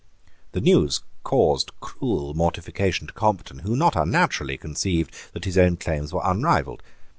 The news caused cruel mortification to Compton, who, not unnaturally, conceived that his own claims were unrivalled.